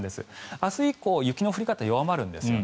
明日以降雪の降り方は弱まるんですよね。